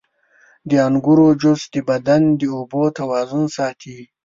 • د انګورو جوس د بدن د اوبو توازن ساتي.